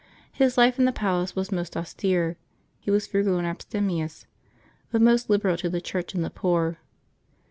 His life in the palace was most austere; he was frugal and abstemious, but most liberal to the Church and the poor.